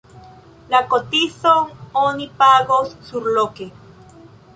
La kotizon oni pagos surloke.